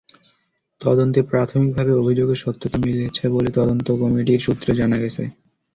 তদন্তে প্রাথমিকভাবে অভিযোগের সত্যতা মিলেছে বলে তদন্ত কমিটির সূত্রে জানা গেছে।